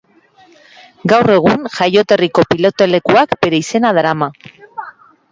Gaur egun, jaioterriko pilotalekuak bere izena darama.